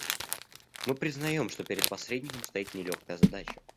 Мы признаем, что перед посредником стоит нелегкая задача.